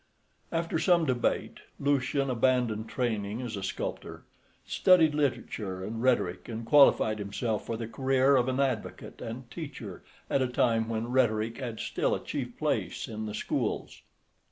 After some debate Lucian abandoned training as a sculptor, studied literature and rhetoric, and qualified himself for the career of an advocate and teacher at a time when rhetoric had still a chief place in the schools.